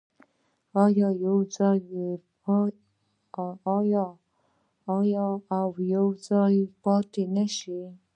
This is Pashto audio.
آیا او یوځای پاتې نشي؟